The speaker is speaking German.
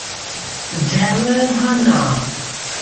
Daryl Hannah